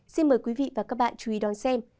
xin mời quý vị và các bạn chú ý đón xem